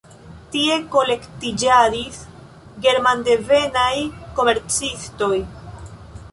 Tie kolektiĝadis germandevenaj komercistoj.